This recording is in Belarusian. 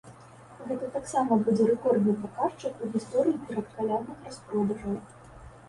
Гэта таксама будзе рэкордны паказчык у гісторыі перадкалядных распродажаў.